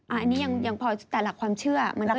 อันนี้ยังพอแต่หลักความเชื่อมันก็ยากนิดหนึ่ง